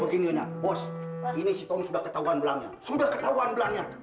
begini bos ini si ton sudah ketahuan belangnya sudah ketahuan belangnya